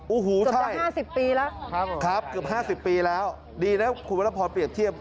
อูหูใช่ครับเกือบ๕๐ปีแล้วดีนะครับคุณพระพรเปรียบเทียบ